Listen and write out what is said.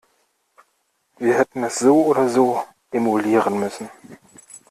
Wir hätten es so oder so emulieren müssen.